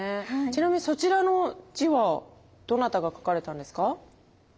ちなみにそちらの字はどなたが書かれたんですか？